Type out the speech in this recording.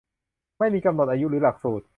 ไม่มีกำหนดอายุหรือหลักสูตร